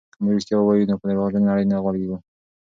که موږ رښتیا ووایو نو په درواغجنې نړۍ نه غولېږو.